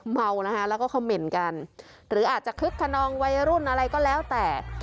เมานะคะแล้วก็คอมเมนต์กันหรืออาจจะคึกขนองวัยรุ่นอะไรก็แล้วแต่